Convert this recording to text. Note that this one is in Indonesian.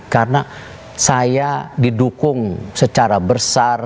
karena saya didukung secara besar